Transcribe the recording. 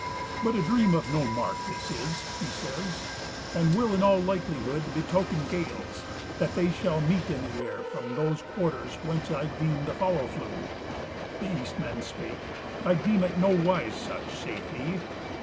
"But a dream of no mark this is," he says, "and will in all likelihood betoken gales, that they shall meet in the air from those quarters whence I deemed the fowl flew." The Eastman spake: "I deem it nowise such," saith he.